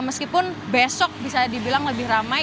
meskipun besok bisa dibilang lebih ramai